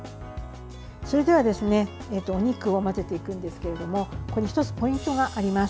それではお肉を混ぜていくんですけれどもここで１つ、ポイントがあります。